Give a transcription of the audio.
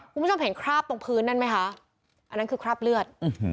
คุณผู้ชมเห็นคราบตรงพื้นนั่นไหมคะอันนั้นคือคราบเลือด